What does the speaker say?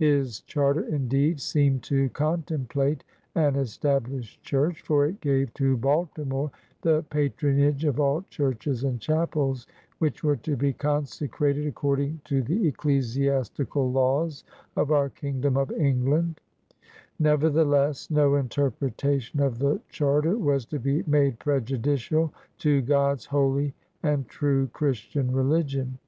His charter, indeed, seemed to contem plate an established church, for it gave to Balti more the patronage of all churches and chapels which were to be "consecrated according to the 12« PIONEERS OP THE OLD SOUTH ecclesiastical laws of our kingdom of England''; nevertheless, no interpretation of the charter was to be made prejudicial to ''God's holy and true Christian religion."